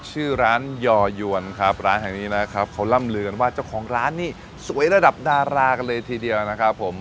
ชื่อร้านย่อยวนครับร้านแห่งนี้นะครับเขาล่ำลือกันว่าเจ้าของร้านนี่สวยระดับดารากันเลยทีเดียวนะครับผม